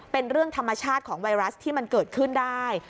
เป็นเรื่องธรรมชาติของไวรัสที่มันเกิดขึ้นได้